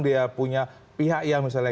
dia punya pihak yang misalnya